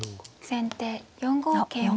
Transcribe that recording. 先手４五桂馬。